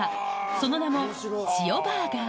その名も塩バーガー。